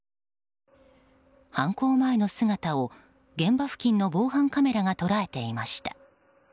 犯行前の姿を現場付近の防犯カメラが捉えていました。